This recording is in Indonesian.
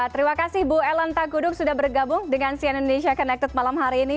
terima kasih bu ellen takudug sudah bergabung dengan cn indonesia connected malam hari ini